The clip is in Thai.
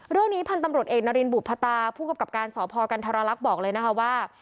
เรื่องนี้พันธุ์ตำรวจเอกนารินบุพตาผู้กำกับการสพกันธรรลักษณ์บอกเลยนะคะว่า